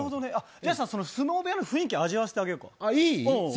じゃ、相撲部屋の雰囲気味わわせてあげようか。